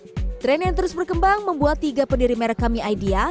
oleh semua kalangan dan umur tren yang terus berkembang membuat tiga pendiri merek kami idea